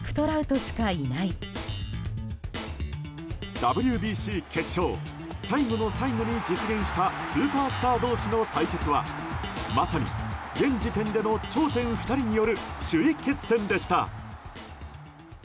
ＷＢＣ決勝最後の最後に実現したスーパースター同士の対決はまさに現時点での頂点２人による首位決戦でした。